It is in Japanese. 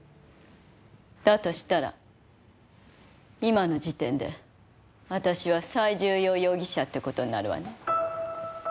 だとしたら今の時点で私は最重要容疑者って事になるわね。